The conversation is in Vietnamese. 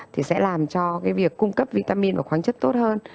thì sẽ làm cho cái việc cung cấp vitamin và khoáng chất tốt hơn